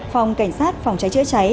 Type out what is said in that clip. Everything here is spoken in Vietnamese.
phòng cảnh sát phòng cháy chữa cháy